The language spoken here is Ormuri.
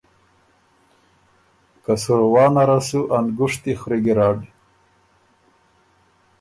که سُروا نره سو ا نګُشتی خوری ګیرډ